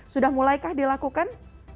sudah mulai kah dilakukan